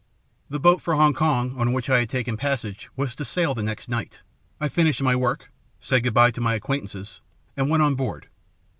"The boat for Hong Kong on which I had taken passage was to sail the next night. I finished my work, said good bye to my acquaintances, and went on board.